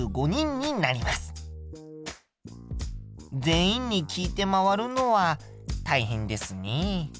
全員に聞いて回るのは大変ですね。